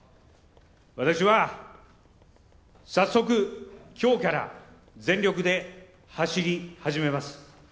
私は、早速、きょうから全力で走り始めます。